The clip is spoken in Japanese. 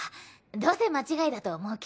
どうせ間違いだと思うけど。